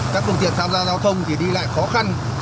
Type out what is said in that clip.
các phương tiện tham gia giao thông thì đi lại khó khăn